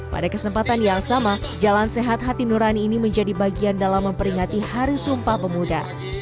pada kesempatan yang sama jalan sehat hati nurani ini menjadi bagian dalam memperingati hari sumpah pemuda